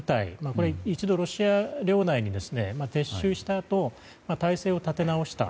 これは一度、ロシア領内に撤収したあと体制を立て直した。